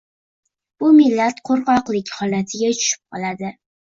Bu millat qo'rqoqlik holatiga tushib qoladi.